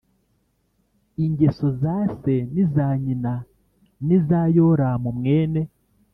ingeso za se n iza nyina n iza Yoramu mwene